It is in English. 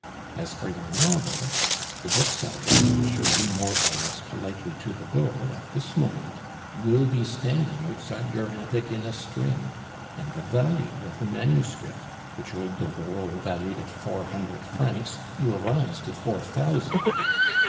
As for your novel, the booksellers who would show you more or less politely to the door at this moment will be standing outside your attic in a string, and the value of the manuscript, which old Doguereau valued at four hundred francs will rise to four thousand.